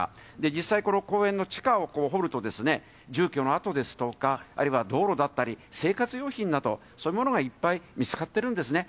実際、この公園の地下を掘ると、住居の跡ですとか、あるいは道路だったり、生活用品など、そういうものがいっぱい見つかっているんですね。